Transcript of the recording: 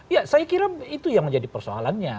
ya saya kira itu yang menjadi persoalannya